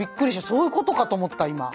そういうことかと思った今。